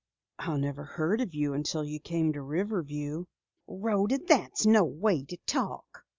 "I never heard of you until you came to Riverview." "Rhoda, that's no way to talk!"